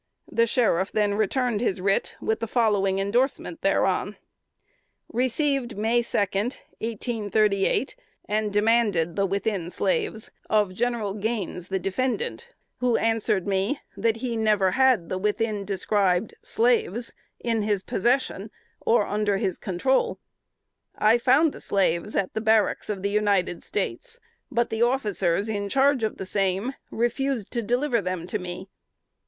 The Sheriff then returned his writ with the following indorsement thereon: "Received May second, 1838, and demanded the within slaves of General Gaines, the defendant, who answered me, that he never had the within described slaves in his possession, or under his control. I found the slaves at the barracks of the United States, but the officers in charge of the same refused to deliver them to me.